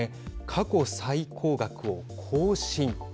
過去最高額を更新。